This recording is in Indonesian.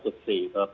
tapi itu semua berarti